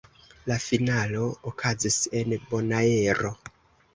La finalo okazis en Bonaero.